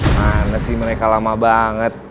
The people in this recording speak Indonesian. mana sih mereka lama banget